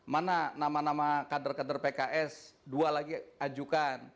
mana nama nama kader kader pks dua lagi ajukan